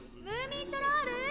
ムーミントロール！